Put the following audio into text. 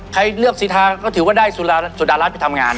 ใครเลือกสิทธาก็ถือว่าได้สุดราฤทธิ์สุดราฤทธิ์ไปทำงาน